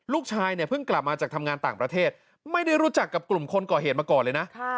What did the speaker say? ลูกชายเนี่ยเพิ่งกลับมาจากทำงานต่างประเทศไม่ได้รู้จักกับกลุ่มคนก่อเหตุมาก่อนเลยนะ